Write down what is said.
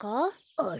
あれ？